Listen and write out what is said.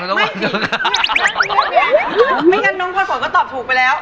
ไม่งั้นน้องพลอยฝนก็ตอบถูกไปแล้ว